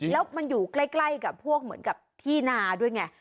แล้วมันอยู่ใกล้กับพวกเหมือนกับที่นาด้วยไง